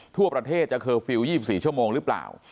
ทั่วประเทศจะเคอร์ฟิลล์๒๔ชั่วโมงหรือเปล่า